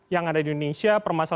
yang ada di indonesia